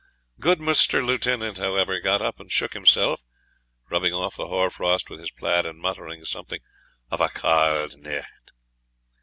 Good Mr. Lieutenant, however, got up and shook himself, rubbing off the hoar frost with his plaid, and muttering something of a _cauld neight.